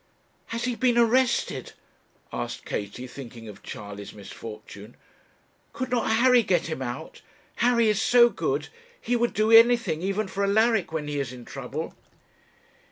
'Has he been arrested?' asked Katie, thinking of Charley's misfortune. 'Could not Harry get him out? Harry is so good; he would do anything, even for Alaric, when he is in trouble.'